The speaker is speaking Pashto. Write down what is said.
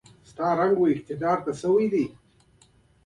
نوکلوئید باډي په حجروي ویش کې رول لري.